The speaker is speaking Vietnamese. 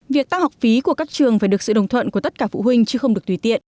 việc tăng học phí của các trường phải được sự đồng thuận của tất cả phụ huynh chứ không được tùy tiện